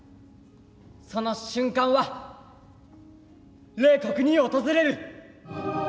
その瞬間は冷酷に訪れる。